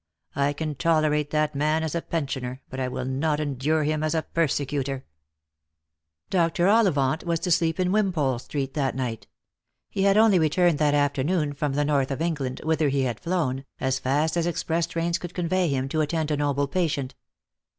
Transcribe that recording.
I can tolerate that man as a pen sioner, but I will not endure him as a persecutor." 276 Lost for Love. Dr. Ollivant was to sleep in Wimpole street that night. He had only returned that afternoon from the North of England, whither he had flown, as fast as express trains could convey him, to attend a noble patient.